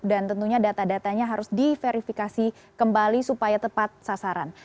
dan tentunya data datanya harus diverifikasi kembali supaya tepat sasaran